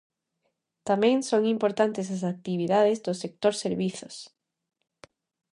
Tamén son importantes as actividades do sector servizos.